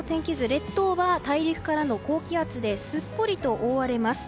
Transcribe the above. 列島は大陸からの高気圧ですっぽりと覆われます。